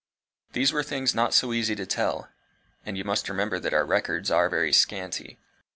These were things not so easy to tell. And you must remember that our records are very scanty.